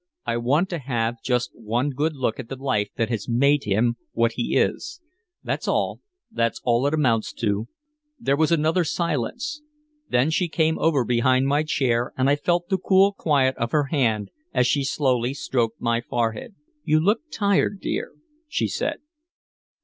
I want to have just one good look at the life that has made him what he is. That's all that's all it amounts to " There was another silence. Then she came over behind my chair and I felt the cool quiet of her hand as she slowly stroked my forehead. "You look tired, dear," she said.